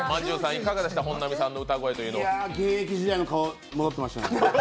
現役時代の顔に戻ってましたね。